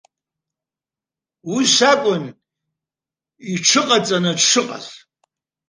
Ус акәын иҽыҟаҵаны дшыҟаз.